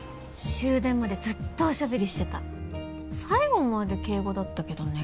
終電までずっとおしゃべりしてた最後まで敬語だったけどね